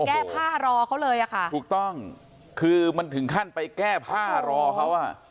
แก้ผ้ารอเขาเลยอ่ะค่ะถูกต้องคือมันถึงขั้นไปแก้ผ้ารอเขาอ่ะ